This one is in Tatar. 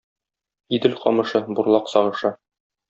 Идел камышы, бурлак сагышы.